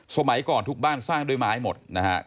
สมัยก่อนทุกบ้านสร้างด้วยไม้หมดนะครับ